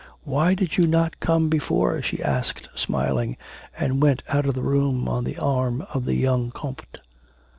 'Why did you not come before,' she asked smiling, and went out of the room on the arm of the young comte.